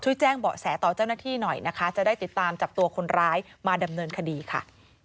แจ้งเบาะแสต่อเจ้าหน้าที่หน่อยนะคะจะได้ติดตามจับตัวคนร้ายมาดำเนินคดีค่ะ